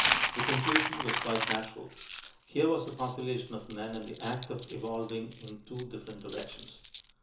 The conclusion was quite natural: here was a population of men in the act of evolving in two different directions.